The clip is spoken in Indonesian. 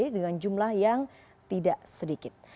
dengan jumlah yang tidak sedikit